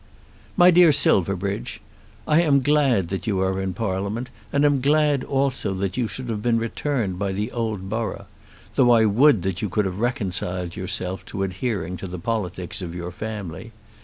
MY DEAR SILVERBRIDGE, I am glad that you are in Parliament and am glad also that you should have been returned by the old borough; though I would that you could have reconciled yourself to adhering to the politics of your family.